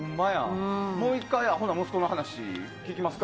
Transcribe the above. もう１回、アホな息子の話聞きますか？